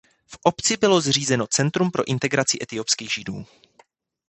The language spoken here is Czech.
V obci bylo zřízeno centrum pro integraci etiopských Židů.